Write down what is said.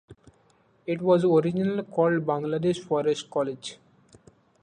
It was originally called Bangladesh Forest College.